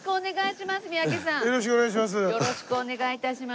よろしくお願いします。